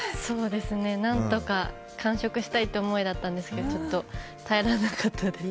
何とか完食したいという思いだったんですけどちょっと耐えられなかったです。